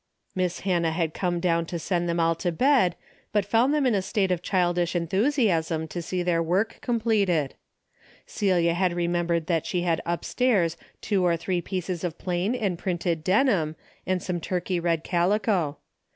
Miss Hannah had come down to send them all to bed, but found them in a state of childish enthusiasm to see their Avork completed. Celia had remembered that she had upstairs two or three pieces of plain and printed denim and some turkey red calico.